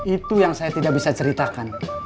itu yang saya tidak bisa ceritakan